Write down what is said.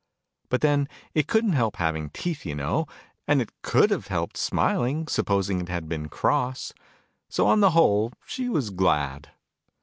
But then, it couldn't help having teeth, you know : and it could have helped smiling, supposing it had been cross. So, on the whole, she was glad.